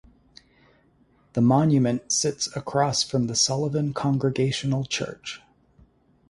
The monument sits across from the Sullivan Congregational Church.